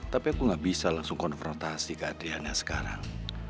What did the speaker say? tapi aku gak bisa langsung konfrontasi ke adriana sekarang